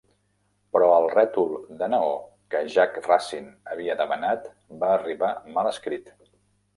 Però el rètol de neó que Jack Russin havia demanat va arribar mal escrit.